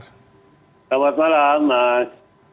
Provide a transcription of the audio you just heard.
selamat malam mas